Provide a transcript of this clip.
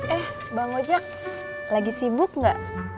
eh bang ojek lagi sibuk gak